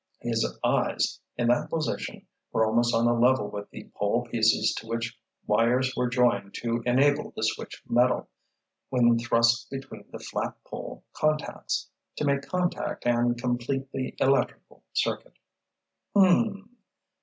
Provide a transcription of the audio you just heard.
His eyes, in that position, were almost on a level with the pole pieces to which wires were joined to enable the switch metal, when thrust between the flat pole contacts, to make contact and complete the electrical circuit. "Hm m m m!"